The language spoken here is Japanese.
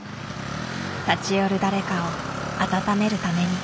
立ち寄る誰かを温めるために。